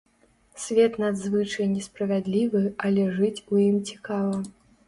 Свет надзвычай несправядлівы, але жыць у ім цікава.